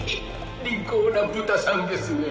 利口な豚さんですねぇ。